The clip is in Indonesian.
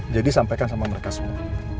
jadi sampaikan sama mereka semua